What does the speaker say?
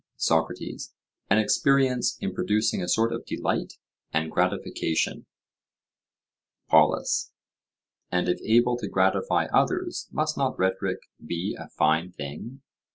SOCRATES: An experience in producing a sort of delight and gratification. POLUS: And if able to gratify others, must not rhetoric be a fine thing?